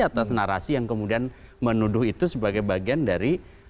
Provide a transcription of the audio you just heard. atas narasi yang kemudian menuduh itu sebagai bagian dari